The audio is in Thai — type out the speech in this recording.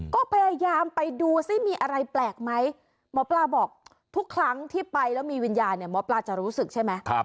ก็พยายามไปดูซิมีอะไรแปลกไหมหมอปลาบอกทุกครั้งที่ไปแล้วมีวิญญาณเนี่ยหมอปลาจะรู้สึกใช่ไหม